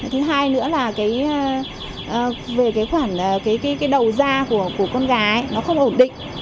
thứ hai nữa là về cái đầu ra của con gái nó không ổn định